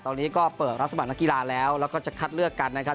ตอนนี้ก็เปิดรับสมัครนักกีฬาแล้วแล้วก็จะคัดเลือกกันนะครับ